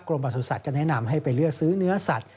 ประสุทธิ์ก็แนะนำให้ไปเลือกซื้อเนื้อสัตว